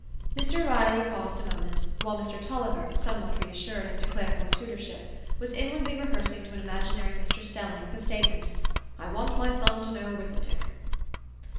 Mr Riley paused a moment, while Mr Tulliver, somewhat reassured as to clerical tutorship, was inwardly rehearsing to an imaginary Mr Stelling the statement, "I want my son to know 'rethmetic."